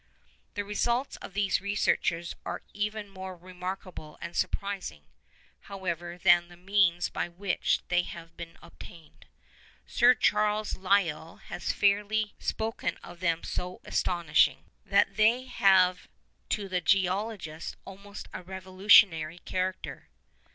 The results of these researches are even more remarkable and surprising, however, than the means by which they have been obtained. Sir Charles Lyell has fairly spoken of them as so astonishing 'that they have to the geologist almost a revolutionary character.